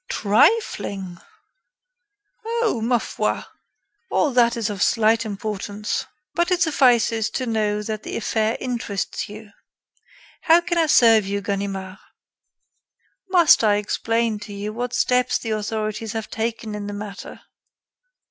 "Trifling!" "Oh! ma foi, all that is of slight importance. But it suffices to know that the affair interests you. How can I serve you, Ganimard?" "Must I explain to you what steps the authorities have taken in the matter?"